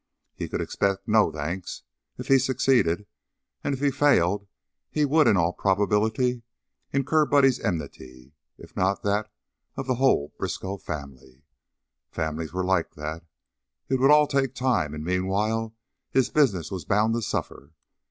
He could expect no thanks, if he succeeded, and if he failed he would in all probability incur Buddy's enmity, if not that of the whole Briskow family. Families are like that. It would all take time, and meanwhile his business was bound to suffer.